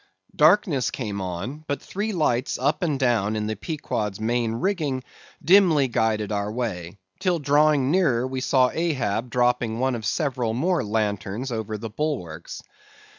Darkness came on; but three lights up and down in the Pequod's main rigging dimly guided our way; till drawing nearer we saw Ahab dropping one of several more lanterns over the bulwarks.